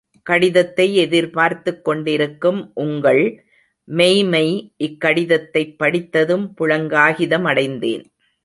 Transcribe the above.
கடிதத்தை எதிர்பார்த்துக் கொண்டிருக்கும் உங்கள், மெய்யம்மை இக்கடிதத்தைப் படித்ததும் புளகாங்கிதமடைந்தேன்.